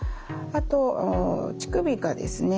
あと乳首がですね